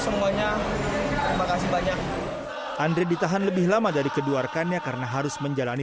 semuanya terima kasih banyak andre ditahan lebih lama dari kedua rekannya karena harus menjalani